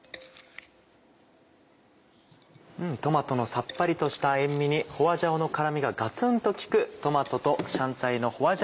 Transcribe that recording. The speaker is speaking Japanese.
トマトのさっぱりとした塩みに花椒の辛みがガツンと効くトマトと香菜の花椒